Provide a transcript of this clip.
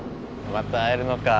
また会えるのか。